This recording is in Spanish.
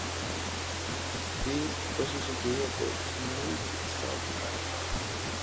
Dee fue sustituido por Snowy Shaw.